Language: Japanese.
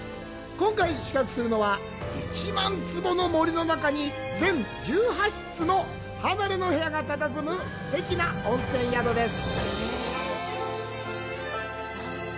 今回、宿泊するのは、１万坪もの森の中に全１８室の離れの部屋がたたずむ温泉宿です。